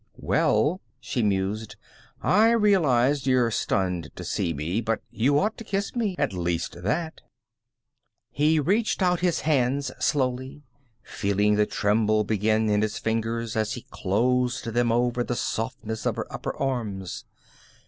"Well," she mused. "I realize you're stunned to see me, but you ought to kiss me. At least, that." He reached out his hands slowly, feeling the tremble begin in his fingers as he closed them over the softness of her upper arms.